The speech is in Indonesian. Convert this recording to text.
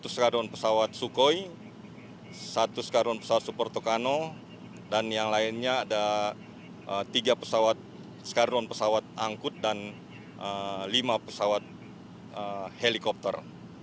satu skardron pesawat sukhoi satu skarron pesawat supertocano dan yang lainnya ada tiga pesawat skarron pesawat angkut dan lima pesawat helikopter